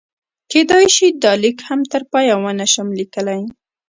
کېدای شي دا لیک هم تر پایه ونه شم لیکلی.